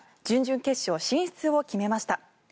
準々決勝進出を決めました。